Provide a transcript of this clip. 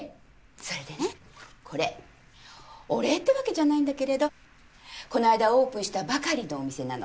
それでねこれお礼ってわけじゃないんだけれどこの間オープンしたばかりのお店なの。